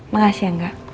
makasih ya nggak